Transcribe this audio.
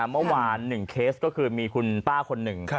เมื่อวาน๑เคสก็คือมีคุณป้าคนหนึ่ง